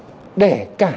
và đưa ra đường cao tốc